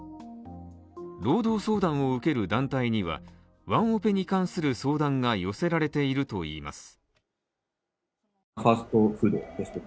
労働相談を受ける団体にはワンオペに関する相談が寄せられているといいます。